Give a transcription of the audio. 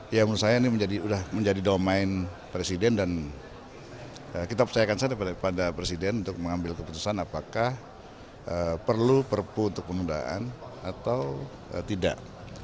ya menurut saya ini sudah menjadi domain presiden dan kita percayakan saja kepada presiden untuk mengambil keputusan apakah perlu perpu untuk penundaan atau tidak